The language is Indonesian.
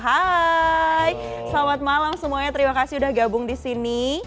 hai selamat malam semuanya terima kasih sudah gabung di sini